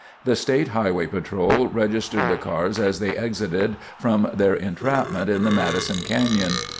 The State Highway Patrol registered the cars as they exited from their entrapment in the Madison Canyon.